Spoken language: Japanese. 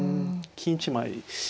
金１枚。